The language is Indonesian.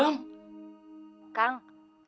bisa enak banget